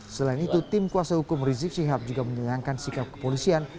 selain itu tim kuasa hukum rizik syihab juga menyayangkan sikap kepolisian